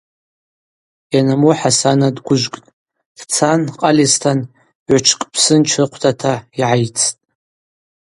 Йанамуы Хӏасана дгвыжвкӏтӏ, дцан Къальистан гӏвычвкӏ псынч рыхъвдата йгӏайцтӏ.